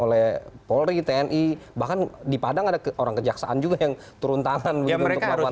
oleh polri tni bahkan di padang ada orang kejaksaan juga yang turun tangan begitu untuk melakukan